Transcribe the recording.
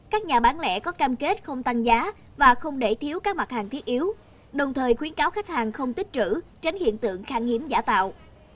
các nhà bán lẻ có cam kết không tăng giá và không để thiếu các mặt hàng thiết yếu đồng thời khuyến cáo khách hàng không tích trữ tránh hiện tượng khang hiếm giả tạo